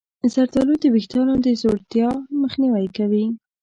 زردآلو د ویښتانو د ځوړتیا مخنیوی کوي.